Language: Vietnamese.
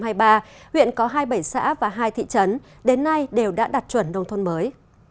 huyện có hai mươi bảy xã và hai thị trấn đến nay đều đã đạt chuẩn nông thôn mới